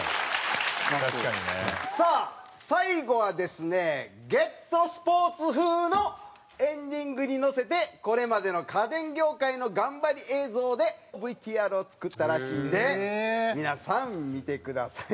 確かにね。さあ最後はですね『ＧＥＴＳＰＯＲＴＳ』風のエンディングに乗せてこれまでの家電業界の頑張り映像でＶＴＲを作ったらしいんで皆さん見てください。